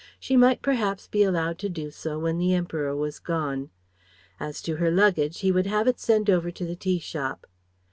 She might perhaps be allowed to do so when the Emperor was gone. As to her luggage he would have it sent over to the tea shop.